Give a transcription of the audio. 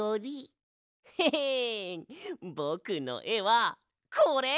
ヘヘンぼくのえはこれ！